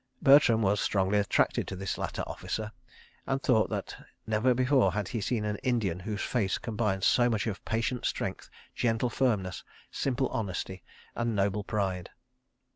Bertram was strongly attracted to this latter officer, and thought that never before had he seen an Indian whose face combined so much of patient strength, gentle firmness, simple honesty, and noble pride.